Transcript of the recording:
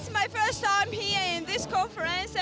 ini adalah pertama kali saya berada di konferensi ini